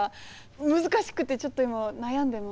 難しくてちょっと今悩んでます。